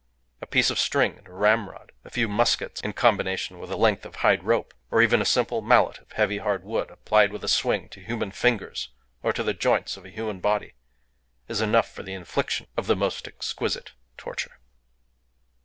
A piece of string and a ramrod; a few muskets in combination with a length of hide rope; or even a simple mallet of heavy, hard wood applied with a swing to human fingers or to the joints of a human body is enough for the infliction of the most exquisite torture.